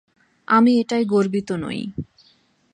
আমি এটায় গর্বিত নই।